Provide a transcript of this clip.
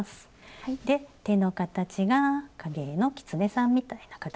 手の形が影絵のキツネさんみたいな形。